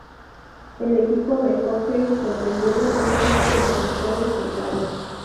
El equipo de hockey sobre hielo es uno de los mejores del país.